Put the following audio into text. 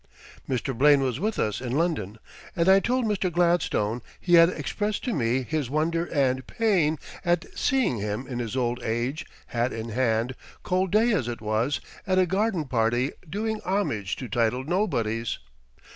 Mr. Blaine was with us in London and I told Mr. Gladstone he had expressed to me his wonder and pain at seeing him in his old age hat in hand, cold day as it was, at a garden party doing homage to titled nobodies.